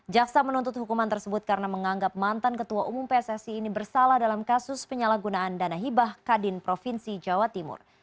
jaksa menuntut hukuman tersebut karena menganggap mantan ketua umum pssi ini bersalah dalam kasus penyalahgunaan dana hibah kadin provinsi jawa timur